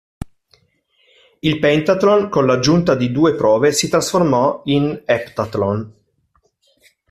Il pentathlon, con l'aggiunta di due prove, si trasformò in eptathlon.